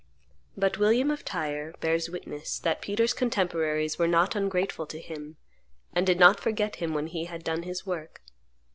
But William of Tyre bears witness that Peter's contemporaries were not ungrateful to him, and did not forget him when he had done his work.